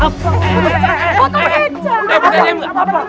bisa diam gak